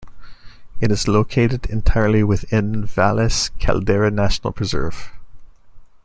It is located entirely within the Valles Caldera National Preserve.